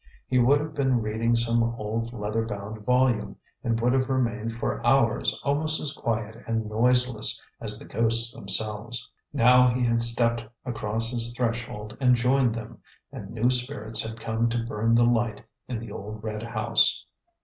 He would have been reading some old leather bound volume, and would have remained for hours almost as quiet and noiseless as the ghosts themselves. Now he had stepped across his threshold and joined them, and new spirits had come to burn the light in the old red house.